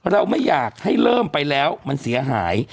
เราไม่อยากให้เริ่มไปแล้วมันเสียหาย